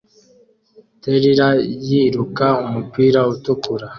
Terrier yiruka umupira utukura